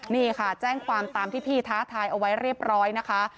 นี่ค่ะแจ้งความตามที่พี่ท้าทายเอาไว้เรียบร้อยนะคะ